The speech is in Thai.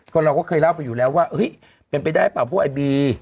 ก็เราก็เคยเล่าไปอยู่แล้วว่าเฮ้ยเป็นไปได้เปล่าพวกไอบี